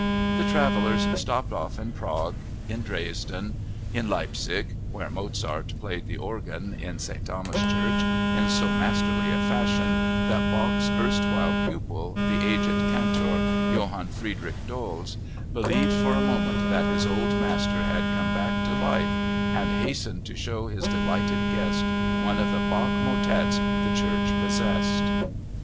The travelers stopped off in Prague, in Dresden, in Leipzig (where Mozart played the organ in St. Thomas Church in so masterly a fashion that Bach's erstwhile pupil, the aged cantor, Johann Friedrich Doles, believed for a moment that his old master had come back to life and hastened to show his delighted guest one of the Bach motets the church possessed).